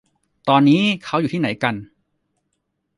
ตอนนี้เค้าอยู่ที่ไหนกัน